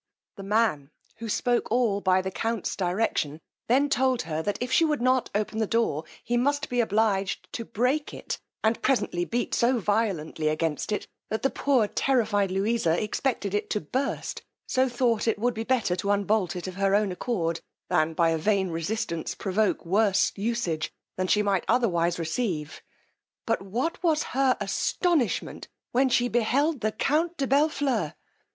The man, who spoke all by the count's direction, then told her, that if she would not open the door, he must be obliged to break it, and presently beat so violently against it, that the poor terrified Louisa expected it to burst, so thought it would be better to unbolt it of her own accord, than, by a vain resistance, provoke worse usage than she might otherwise receive: but what was her astonishment when she beheld the count de Bellfleur!